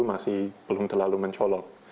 masih belum terlalu mencolok